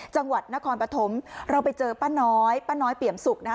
จังหวัดนครปฐมเราไปเจอป้าน้อยป้าน้อยเปี่ยมสุกนะคะ